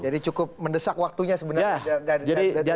jadi cukup mendesak waktunya sebenarnya